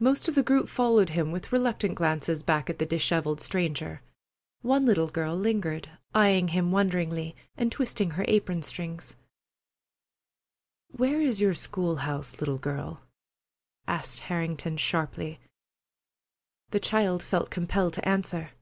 Most of the group followed him, with reluctant glances back at the dishevelled stranger. One little girl lingered, eying him wonderingly, and twisting her apron strings. "Where is your school house, little girl?" asked Harrington sharply. The child felt compelled to answer.